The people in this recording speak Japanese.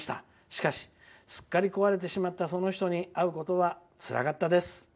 しかし、すっかり壊れてしまったその人に会うことはつらかったです。